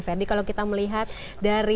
ferdi kalau kita melihat dari